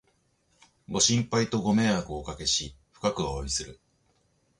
ご心配とご迷惑をおかけし、深くおわびする